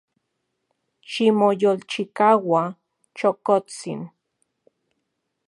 Ximoyolchikaua, chokotsin.